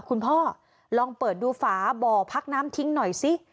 คุณพ่อลองเปิดดูฝาบ่อพักน้ำทิ้งหน่อยสิ